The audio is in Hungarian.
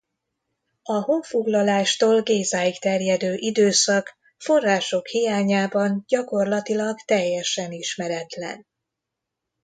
A honfoglalástól Gézáig terjedő időszak források hiányában gyakorlatilag teljesen ismeretlen.